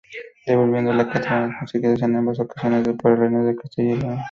Devolviendo los terrenos conseguidos en ambas ocasiones por el reino de Castilla y León.